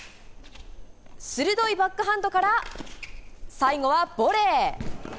鋭いバックハンドから、最後はボレー。